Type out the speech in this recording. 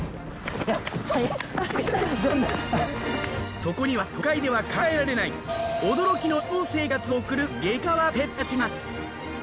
そこには都会では考えられない驚きの秘境生活を送る激かわペットたちが。